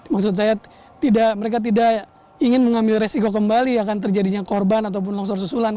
maksud saya mereka tidak ingin mengambil resiko kembali akan terjadinya korban ataupun longsor susulan